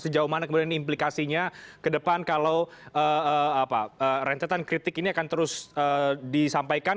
sejauh mana kemudian implikasinya ke depan kalau rentetan kritik ini akan terus disampaikan